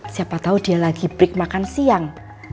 siapa tahu dia lagi break makan siang